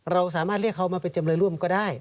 เราสามารถเรียกเขามาเป็นจำเลยร่วมก็ได้